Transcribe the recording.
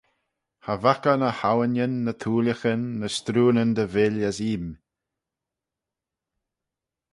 Cha vaik eh ny awinyn, ny thooillaghyn, ny strooanyn dy vill as eeym.